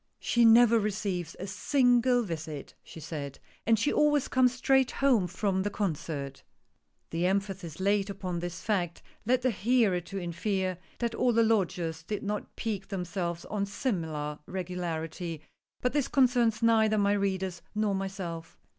"She never receives a single visit," she said, "and she always comes straight home from the concert." . The emphasis laid upon this fact led the hearer to infer that all the lodgers did not pique themselves on similar regularity — but this concerns neither my readers nor myself.